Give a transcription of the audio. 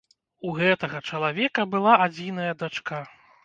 У гэтага чалавека была адзіная дачка.